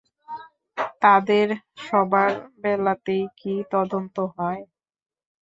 তাদের সবার বেলাতেই কি তদন্ত হয়?